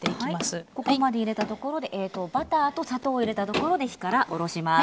はいここまで入れたところでえとバターと砂糖を入れたところで火からおろします。